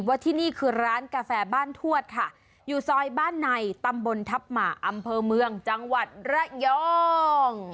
ที่นี่คือร้านกาแฟบ้านทวดค่ะอยู่ซอยบ้านในตำบลทัพหมาอำเภอเมืองจังหวัดระยอง